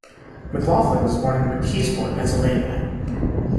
McLaughlin was born in McKeesport, Pennsylvania.